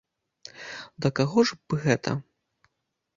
Да каго ж бы гэта?